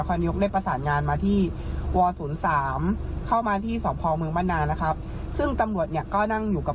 พี่พี่พี่พี่พี่พี่พี่พี่พี่พี่พี่พี่พี่พี่พี่พี่